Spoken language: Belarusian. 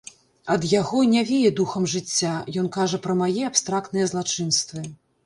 Ад яго не вее духам жыцця, ён кажа пра мае абстрактныя злачынствы.